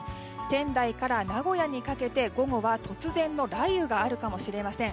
仙台から名古屋にかけて午後は突然の雷雨があるかもしれません。